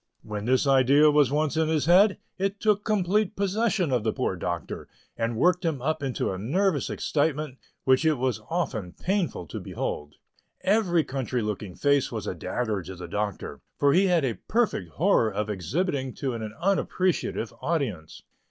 When this idea was once in his head, it took complete possession of the poor Doctor, and worked him up into a nervous excitement which it was often painful to behold. Every country looking face was a dagger to the Doctor, for he had a perfect horror of exhibiting to an unappreciative audience.